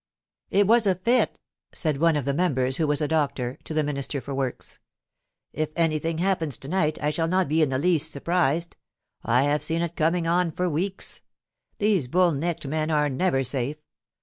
It was a fit,' said one of the members, who was a doctor, to the Minister for Works. * If anything happens to night I shall not be in the least surprised. I have ^^^n it coining on for weeks. These bull necked men are never safe.